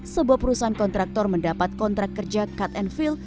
sebuah perusahaan kontraktor mendapat kontrak kerja cut and fill